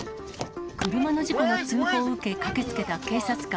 車の事故の通報を受け、駆けつけた警察官。